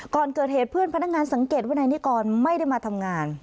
ก่อนเกิดเหตุเพื่อนพนักงานสังเกตว่านายนิกรไม่ได้มาทำงาน